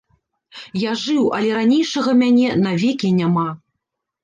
Я жыў, але ранейшага мяне навекі няма.